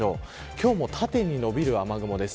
今日も縦に伸びる雨雲です。